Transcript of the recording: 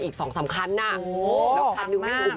อีกสองสำคัญน่ะนักค้นหนึ่งอ่ะคิงมากโอ้โห